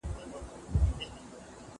هغه څوک چي کالي مينځي روغ وي